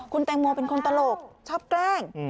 คุณแตงโมเป็นคนตลกชอบแกล้ง